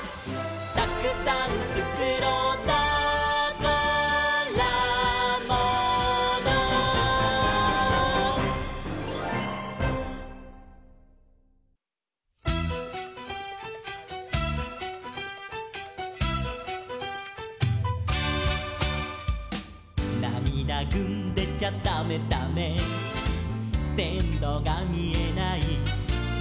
「たくさんつくろうたからもの」「なみだぐんでちゃだめだめ」「せんろがみえない」